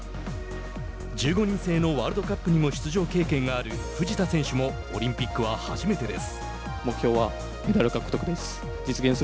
１５人制のワールドカップにも出場経験がある藤田選手もオリンピックは初めてです。